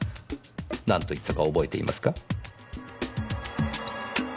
何と言ったか覚えていますか？